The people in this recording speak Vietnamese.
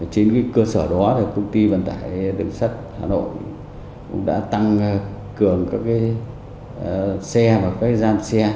trên cơ sở đó công ty vận tải đường sắt hà nội cũng đã tăng cường các xe và các gian xe